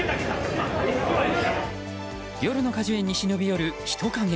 夜の果樹園に忍び寄る人影。